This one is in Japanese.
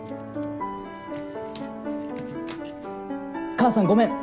⁉母さんごめん！